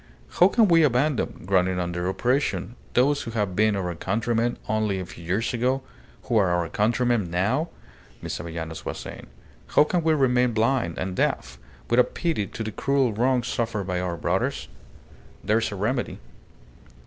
"How can we abandon, groaning under oppression, those who have been our countrymen only a few years ago, who are our countrymen now?" Miss Avellanos was saying. "How can we remain blind, and deaf without pity to the cruel wrongs suffered by our brothers? There is a remedy."